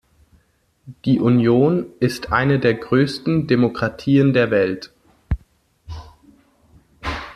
Die Union ist eine der größten Demokratien der Welt.